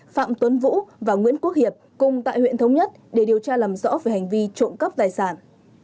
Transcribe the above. phạm tuấn vũ và nguyễn quốc hiệp cùng tại huyện thống nhất để điều tra làm rõ về hành vi trộm cắp tài sản